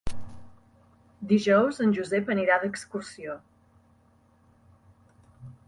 Dijous en Josep anirà d'excursió.